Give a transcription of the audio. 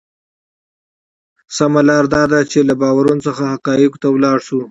سمه لار دا ده چې له باورونو څخه حقایقو ته لاړ شو.